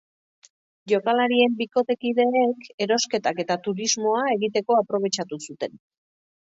Jokalarien bikotekideek erosketak eta turismoa egiteko aprobetxatu zuten.